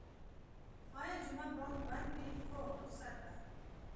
ایا جمعه بانک بند وی؟ هو، رخصت ده